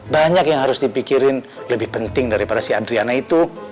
banyak yang harus dipikirin lebih penting daripada si adriana itu